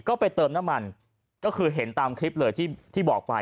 ก็ไปเติมน้ำมันก็คือเห็นตามคลิปเลยที่บอกไป